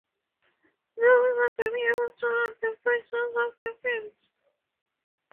No wizard will be able to hurt the produce of the fields.